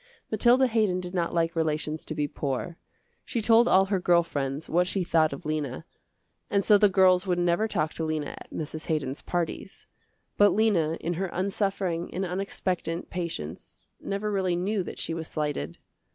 Mathilda Haydon did not like relations to be poor. She told all her girl friends what she thought of Lena, and so the girls would never talk to Lena at Mrs. Haydon's parties. But Lena in her unsuffering and unexpectant patience never really knew that she was slighted.